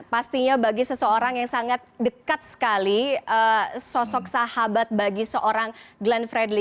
pastinya bagi seseorang yang sangat dekat sekali sosok sahabat bagi seorang glenn fredly